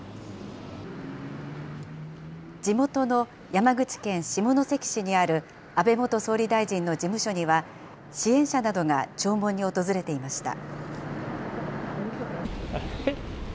地元の山口県下関市にある安倍元総理大臣の事務所には、支援者などが弔問に訪れていました。